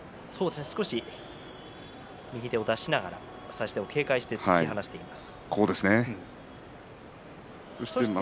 少し右手を出しながら差し手を警戒して突き放していきます。